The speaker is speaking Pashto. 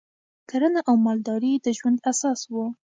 کرنه او مالداري د ژوند اساس و